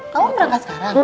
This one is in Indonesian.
kamu berangkat sekarang